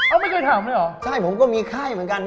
อ้าวไม่เคยถามเลยหรอใช่ผมก็มีค่ายเหมือนกันพี่